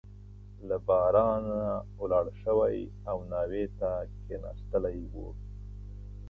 له بارانه ولاړ شوی او ناوې ته کښېنستلی وو.